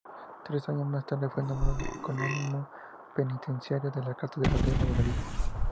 Tres años más tarde fue nombrado canónigo penitenciario de la Catedral de Valladolid.